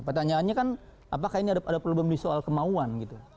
pertanyaannya kan apakah ini ada problem di soal kemauan gitu